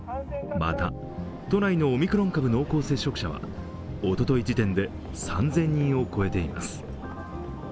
また都内のオミクロン株濃厚接触者はおととい時点で３０００人を超えています。